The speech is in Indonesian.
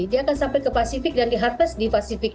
dia akan sampai ke pasifik dan diharvest di pasifik